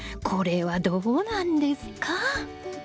これはどうなんですか？